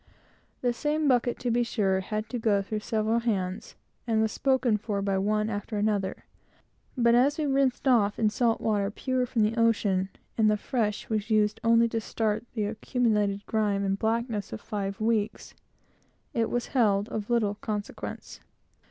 The same bucket, to be sure, had to go through several hands, and was spoken for by one after another, but as we rinsed off in salt water, pure from the ocean, and the fresh was used only to start the accumulated grime and blackness of five weeks, it was held of little consequence.